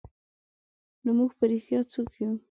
نو موږ په رښتیا څوک یو؟